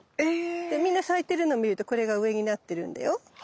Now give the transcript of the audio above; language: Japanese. でみんな咲いてるの見るとこれが上になってるんだよ。